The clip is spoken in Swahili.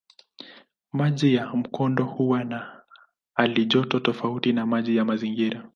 Maji ya mkondo huwa na halijoto tofauti na maji ya mazingira.